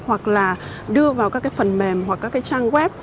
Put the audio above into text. hoặc là đưa vào các cái phần mềm hoặc các cái trang web